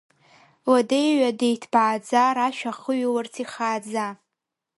Ладеи-ҩадеи иҭбааӡа, рашәа ахыҩларц ихааӡа.